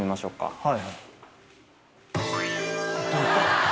はい。